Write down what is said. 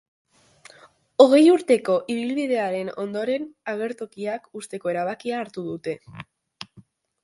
Hogei urteko ibilbidearen ondoren, agertokiak uzteko erabakia hartu dute.